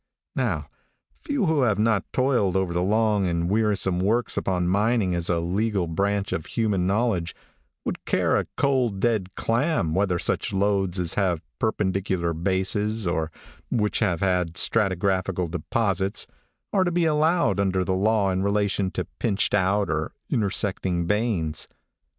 How, few who have not toiled over the long and wearisome works upon mining as a legal branch of human knowledge, would care a cold, dead clam, whether such lodes as have perpendicular bases, or those which have stratigraphical deposits, are to be allowed under the law in relation to pinched out or intersecting veins.